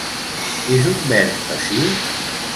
És un verb passiu?